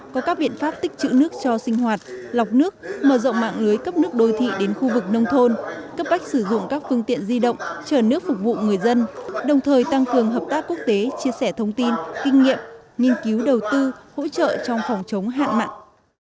có các biện pháp tích chữ nước cho sinh hoạt lọc nước mở rộng mạng lưới cấp nước đô thị đến khu vực nông thôn cấp bách sử dụng các phương tiện di động trở nước phục vụ người dân đồng thời tăng cường hợp tác quốc tế chia sẻ thông tin kinh nghiệm nghiên cứu đầu tư hỗ trợ trong phòng chống hạn mặn